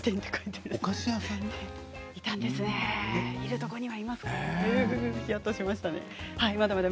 いるところには、いますからね。